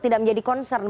tidak menjadi concern